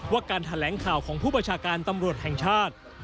การแถลงข่าวของผู้ประชาการตำรวจแห่งชาติ